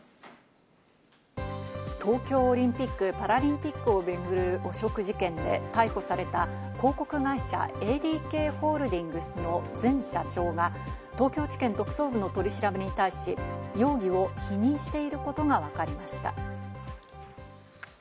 東京オリンピック・パラリンピックを巡る汚職事件で逮捕された広告会社・ＡＤＫホールディングスの前社長が東京地検特捜部の取り調べに対し、容疑を否認していることがわかりました。